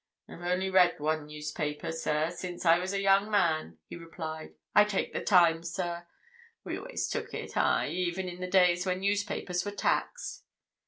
"I've only read one newspaper, sir, since I was a young man," he replied. "I take the Times, sir—we always took it, aye, even in the days when newspapers were taxed."